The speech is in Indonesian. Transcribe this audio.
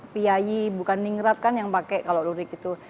piai bukan ningrat kan yang pakai kalau lurik itu